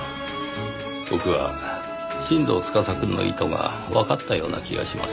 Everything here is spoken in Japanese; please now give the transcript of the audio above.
僕は新堂司くんの意図がわかったような気がします。